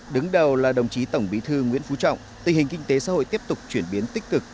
đứng đầu là đồng chí tổng bí thư nguyễn phú trọng tình hình kinh tế xã hội tiếp tục chuyển biến tích cực